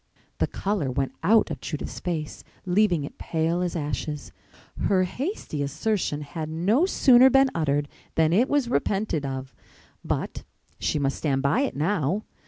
The color went out of Judith's face, leaving it pale as ashes. Her hasty assertion had no sooner been uttered than it was repented of, but she must stand by it now.